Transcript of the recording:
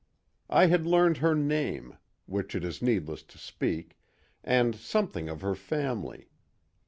I had learned her name—which it is needless to speak—and something of her family.